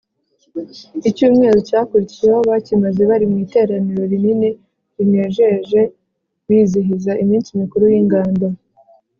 icyumweru cyakurikiyeho bakimaze bari mu iteraniro rinini rinejeje bizihiza iminsi mikuru y’ingando.